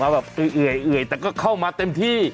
แบบเอื่อยแต่ก็เข้ามาเต็มที่